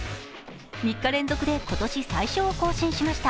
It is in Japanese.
３日連続で今年最少を更新しました。